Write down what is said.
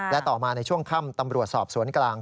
และต่อมาในช่วงค่ำตำรวจสอบสวนกลาง